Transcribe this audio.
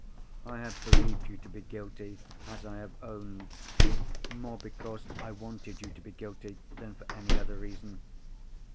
"I had believed you to be guilty (as I have owned), more because I wanted you to be guilty than for any other reason.